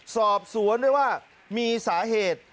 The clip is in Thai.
สอบสวนได้ว่ามีสาเหตุ